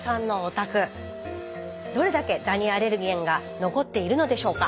どれだけダニアレルゲンが残っているのでしょうか。